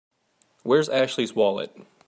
Where's Ashley's wallet?